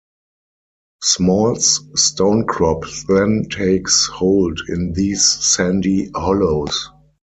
Small's stonecrop then takes hold in these sandy hollows.